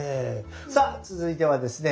さあ続いてはですね